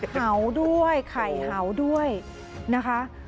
เห่าด้วยไข่เห่าด้วยนะคะ